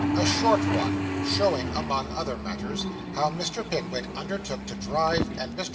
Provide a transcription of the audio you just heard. A SHORT ONE SHOWING, AMONG OTHER MATTERS, HOW Mr. PICKWICK UNDERTOOK TO DRIVE, AND MR.